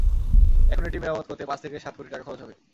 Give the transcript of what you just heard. এখন এটি মেরামত করতে পাঁচ থেকে সাত কোটি টাকা খরচ হবে।